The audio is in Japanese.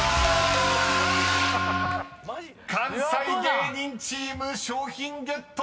［関西芸人チーム賞品ゲットならず！］